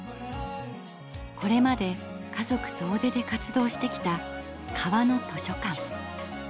これまで家族総出で活動してきた川の図書館。